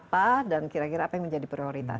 jadi apa yang kita bisa berikan